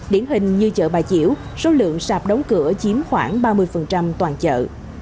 điển hình như chợ bà chiểu số lượng sạp đóng cửa chiếm khoảng ba mươi toàn chợ